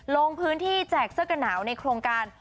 ลงพื้นที่แจกเสื้อกันหนาวในโครงการ